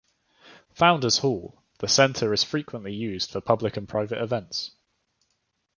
Founders Hall, the center is frequently used for public and private events.